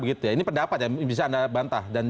ini pendapat ya bisa anda bantah dan